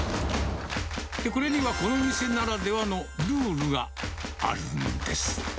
これにはこの店ならではのルールがあるんです。